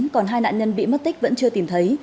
còn hai nạn nhân bị mất tích vẫn chưa tìm thấy